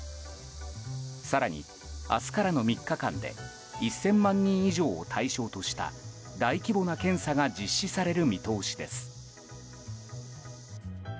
更に明日からの３日間で１０００万人以上を対象とした大規模な検査が実施される見通しです。